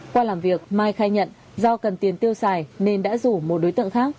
qua làm việc mai khai nhận do cần tiền tiêu xài nên đã rủ một đối tượng khác